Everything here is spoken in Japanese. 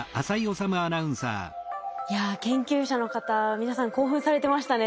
いや研究者の方皆さん興奮されてましたねだいぶ。